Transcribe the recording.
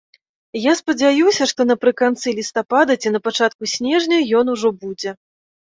Я спадзяюся, што напрыканцы лістапада ці на пачатку снежня ён ужо будзе.